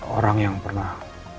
orang yang pernah